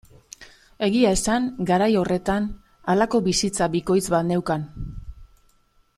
Egia esan garai horretan halako bizitza bikoitz bat neukan.